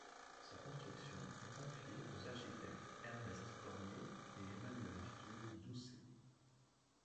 Sa construction est confiée aux architectes Ernest Cormier et Emmanuel-Arthur Doucet.